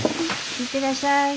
行ってらっしゃい。